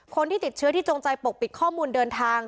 คนที่ติดเชื้อที่จงใจปกปิดข้อมูลเดินทาง